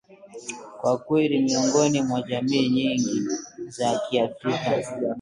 Kwa kweli miongoni mwa jamii nyingi za Kiafrika